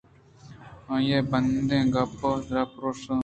آئی ءِ بندیں دپِیگءَ را پرٛوشت